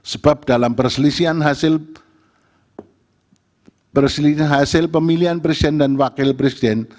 sebab dalam perselisihan hasil pemilihan presiden dan wakil presiden